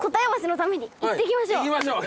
行きましょう！